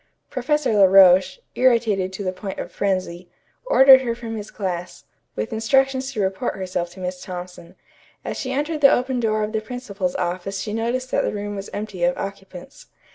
Professor La Roche, irritated to the point of frenzy, ordered her from his class, with instructions to report herself to Miss Thompson. As she entered the open door of the principal's office she noticed that the room was empty of occupants.